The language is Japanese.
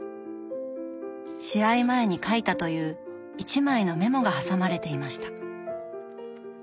試合前に書いたという１枚のメモが挟まれていました。